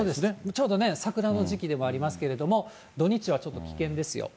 ちょうどね、桜の時期でもありますけれども、土日はちょっと危険ですよ。